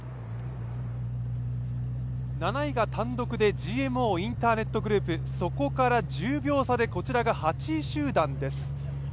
７位が単独でＧＭＯインターネットグループ、そこから１０秒差でこちらが８位集団です。